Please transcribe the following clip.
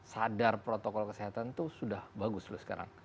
sadar protokol kesehatan itu sudah bagus loh sekarang